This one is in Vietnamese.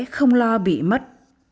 không lo bị mất